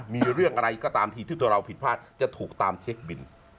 มีเรื่องอะไรก็ตามทีที่ตัวเราผิดพลาดจะถูกตามเช็คบิน